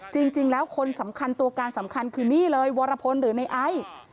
จริงแล้วคนสำคัญตัวการสำคัญคือนี่เลยวรพลหรือในไอซ์